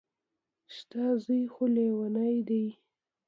چې ستا زوى خو ليونۍ دى.